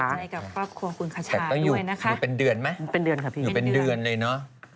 เสียใจกับฝักความคุณคชาด้วยนะคะค่ะอยู่เป็นเดือนไหมอยู่เป็นเดือนเลยเนอะ